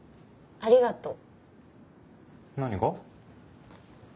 ありがとう。